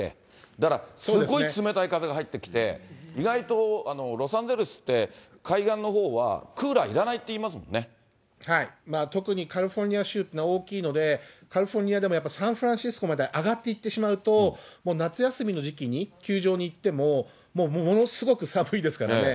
だからすごい冷たい風が入ってきて、意外とロサンゼルスって海岸のほうはクーラーいらないっていいま特にカリフォルニア州っていうのは大きいので、カリフォルニアでもサンフランシスコまで上がっていってしまうと、もう夏休みの時期に球場に行っても、もうものすごく寒いですからね。